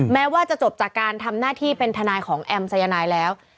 แม้ว่าจะจบจากการทำหน้าที่เป็นทนายของแอมสายนายแล้ว